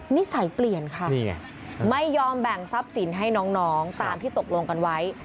นิสัยเปลี่ยนค่ะไม่ยอมแบ่งทรัพย์สินให้น้องตามที่ตกลงกันไว้